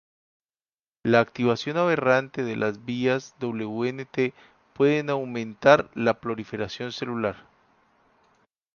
La activación aberrante de las vías Wnt pueden aumentar la proliferación celular.